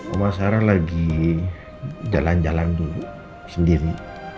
oma sarah lagi jalan jalan dulu sendiri